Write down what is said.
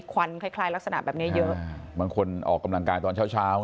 ควันคล้ายลักษณะแบบนี้เยอะมันควรออกกำลังการตอนเช้าไง